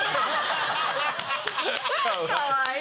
かわいい！